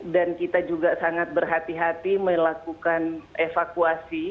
dan kita juga sangat berhati hati melakukan evakuasi